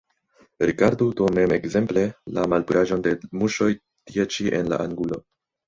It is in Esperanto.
Rigardu do mem ekzemple la malpuraĵon de muŝoj tie ĉi en la angulo.